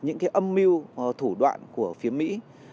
những cái âm mưu thủ đoạn của phía mỹ